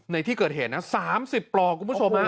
ในที่เกิดเหตุนะ๓๐ปลอกคุณผู้ชมฮะ